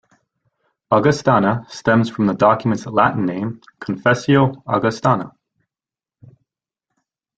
"Augustana" stems from the document's Latin name, "Confessio Augustana".